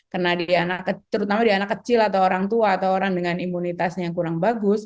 kena di anak kecil atau orang tua atau orang dengan imunitas yang kurang bagus